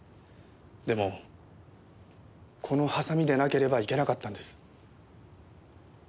でもこのハサミでなければいけなかったんです。